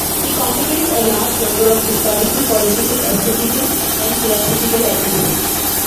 He contributed a large number of historical, political, esthetical and philosophical essays.